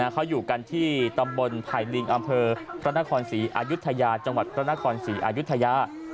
เขาอยู่กันที่ตำบลไผ่ลิงอำเภอพระนครศรีอายุทยาจังหวัดพระนครศรีอายุทยา